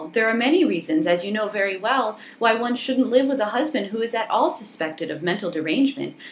There are many reasons, as you know very well, why one shouldn't live with a husband who is at all suspected of mental derangement.